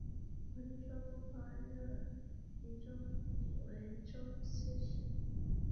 文宗说不妨任李宗闵为州刺史。